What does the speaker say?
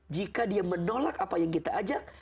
jika dia menolak apa yang kita ajak